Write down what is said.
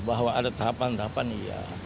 bahwa ada tahapan tahapan iya